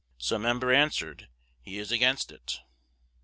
(Some member answered, He is against it.")